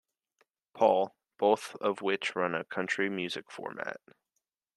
Paul, both of which run a country music format.